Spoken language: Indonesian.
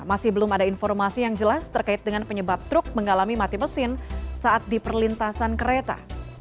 masih belum ada informasi yang jelas terkait dengan penyebab truk mengalami mati mesin saat di perlintasan kereta